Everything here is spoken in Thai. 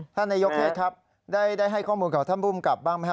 ท่านนายกฤทธิ์ครับได้ให้ข้อมูลของท่านภูมิกลับบ้างไหมครับ